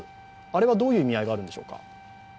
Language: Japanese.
あれはどういう意味合いがあるんですか？